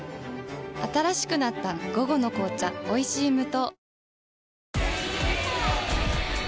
新しくなった「午後の紅茶おいしい無糖」